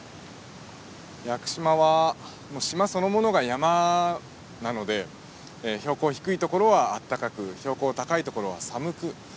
屋久島は島そのものが山なので標高低いところはあったかく標高高いところは寒く。